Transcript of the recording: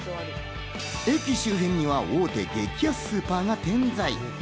駅周辺には大手激安スーパーが点在。